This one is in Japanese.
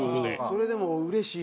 それでもうれしいよな。